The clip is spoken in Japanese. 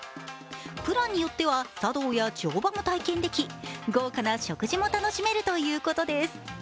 プランによっては茶道や乗馬が体験でき豪華な食事も楽しめるということです。